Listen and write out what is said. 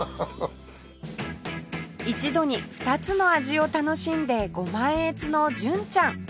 一度に２つの味を楽しんでご満悦の純ちゃん